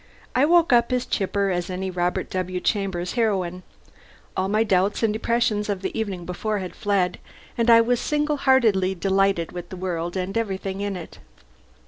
I woke up as chipper as any Robert W. Chambers heroine. All my doubts and depressions of the evening before had fled, and I was single heartedly delighted with the world and everything in it.